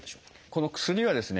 この薬はですね